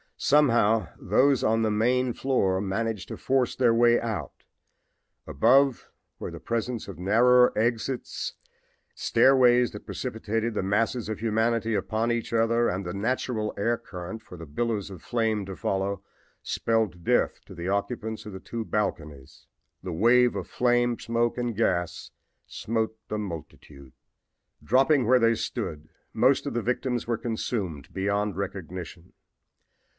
Somehow those on the main floor managed to force their way out. Above, where the presence of narrower exits, stairways that precipitated the masses of humanity upon each other and the natural air current for the billows of flame to follow, spelled death to the occupants of the two balconies, the wave of flame, smoke and gas smote the multitude. DROP WHERE THEY STAND. "Dropping where they stood, most of the victims were consumed beyond recognition.